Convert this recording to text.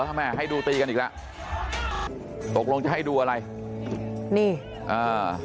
ถ้าแม่ให้ดูตีกันอีกแล้วตกลงจะให้ดูอะไรนี่อ่า